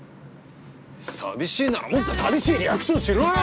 寂しいならもっと寂しいリアクションしろよ！